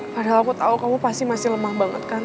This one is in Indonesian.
padahal aku tahu kamu pasti masih lemah banget kan